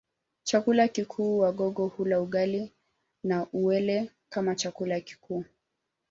Chakula kikuu Wagogo hula ugali wa uwele kama chakula kikuu